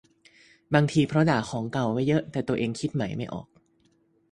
บางทีเพราะด่าของเก่าไว้เยอะ แต่ตัวเองคิดใหม่ไม่ออก